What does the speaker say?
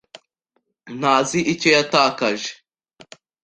Ntazi icyo yatakaje.